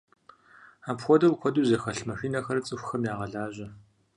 Апхуэдэу куэду зэхэлъ машинэхэр цӀыхухэм ягъэлажьэ.